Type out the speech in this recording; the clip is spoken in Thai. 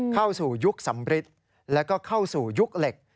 เข้าสู่ยุคสำริทแล้วก็เข้าสู่ยุคเหล็ก